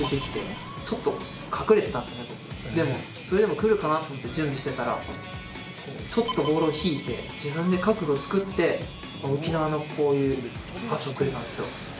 でもそれでも来るかなと思って準備してたらちょっとボールを引いて自分で角度作って浮き球のこういうパスをくれたんですよ。